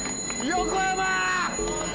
横山！